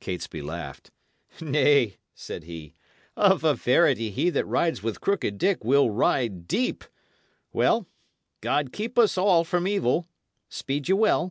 Catesby laughed. "Nay," said he, "of a verity he that rides with Crooked Dick will ride deep. Well, God keep us all from evil! Speed ye well."